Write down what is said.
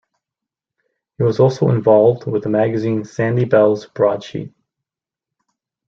He was also involved with the magazine Sandy Bell's Broadsheet.